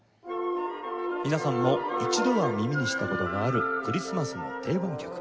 皆さんも一度は耳にした事があるクリスマスの定番曲。